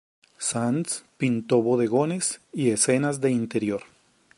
Sands pintó bodegones y escenas de interior.